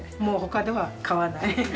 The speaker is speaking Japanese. もう他では買わない。